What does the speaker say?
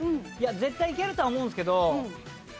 いや絶対いけるとは思うんですけど。